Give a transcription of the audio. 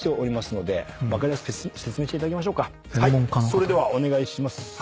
それではお願いします。